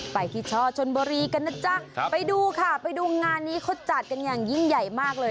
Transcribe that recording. ไปที่ช่อชนบุรีกันนะจ๊ะไปดูค่ะไปดูงานนี้เขาจัดกันอย่างยิ่งใหญ่มากเลย